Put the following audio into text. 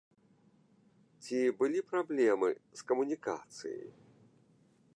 Ці былі праблемы з камунікацыяй?